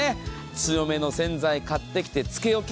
強めの洗剤買ってきて漬け置き。